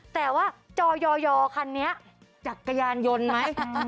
แต่ว่าจอยคันนี้จักรยานยนต์ไหม